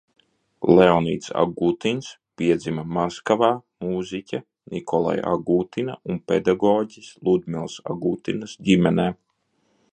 Leonīds Agutins piedzima Maskavā, mūziķa Nikolaja Agutina un pedagoģes Ludmilas Agutinas ģimenē.